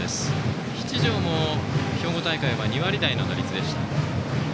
七條も兵庫大会は２割台の打率でした。